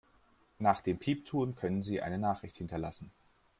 Nach dem Piepton können Sie eine Nachricht hinterlassen.